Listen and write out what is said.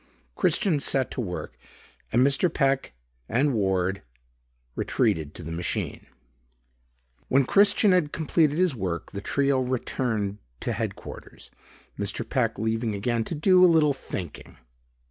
Christian set to work and Mr. Peck and Ward retreated to the machine. When Christian had completed his work, the trio returned to headquarters, Mr. Peck leaving again to "do a little thinking."